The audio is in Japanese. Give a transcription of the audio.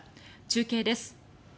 中継です。